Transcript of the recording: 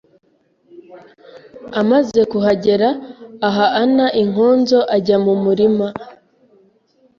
amaze kuhagera aha ana inkonzo ajya mu murima